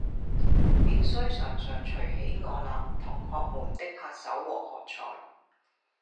便須常常隨喜我那同學們的拍手和喝采。